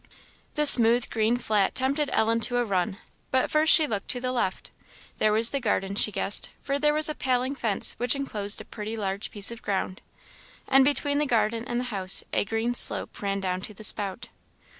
The smooth green flat tempted Ellen to a run, but first she looked to the left. There was the garden, she guessed, for there was a paling fence which enclosed a pretty large piece of ground; and between the garden and the house a green slope ran down to the spout.